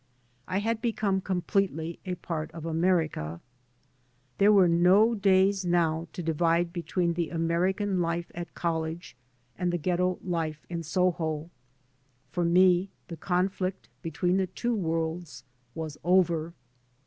I had become completely a part of America. There were no days now to divide between the American life at college, and the ghetto life in Soho. For me the conflict between the two worlds was over.